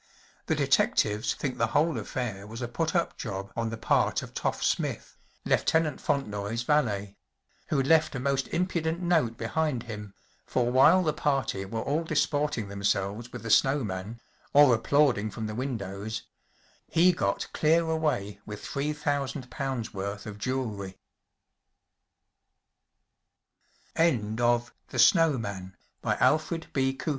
The detectives think the whole affair was a put up job on the part of ‚ÄėToff* Smith‚ÄĒLieutenant Fontenoy’s valet‚ÄĒwho left a most impudent note behind him, for while the party were all disporting themselves with the snow man, or applaud¬ ing from the windows, be got clear away with three thousand pounds 1 worth of jewellery.* 1 Original from UNIV